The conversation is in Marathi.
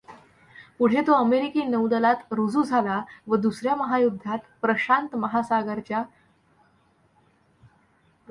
पुढे तो अमेरिकी नौदलात रुजू झाला व दुसर् या महायुद्धात प्रशांत महासागराच्या आघाडीवर लढला.